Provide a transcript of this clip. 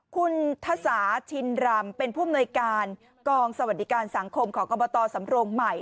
คุณทศาชินรำเป็นผู้อำนวยการกองสวัสดิการสังคมของอบตสำโรงใหม่